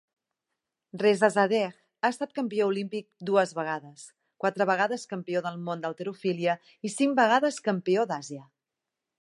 Rezazadeh ha estat campió olímpic dues vegades, quatre vegades campió del món d'halterofília i cinc vegades campió d'Àsia.